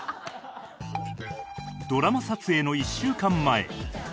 ドラマ撮影の１週間前